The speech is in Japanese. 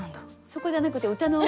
そこじゃなくて歌の。